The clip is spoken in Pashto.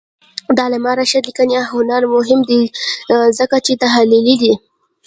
د علامه رشاد لیکنی هنر مهم دی ځکه چې تحلیلي دی.